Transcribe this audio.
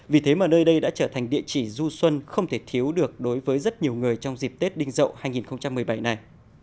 vì thế mà nơi đây đã trở thành địa chỉ du xuân không thể thiếu được đối với rất nhiều người trong dịp tết đinh dậu hai nghìn một mươi bảy này